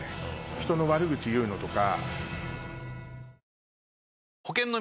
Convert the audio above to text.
人の悪口言うのとか。